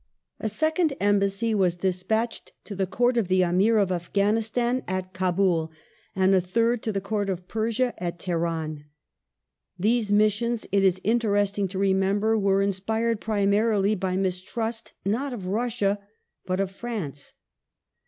A second embassy was despatched to the Court of the Amir of Afghanistan at Kabul and a third to the Court of Pei*sia at Teheran. These missions, it is interesting to remember, were in spired primarily by mistrust not of Russia but of France.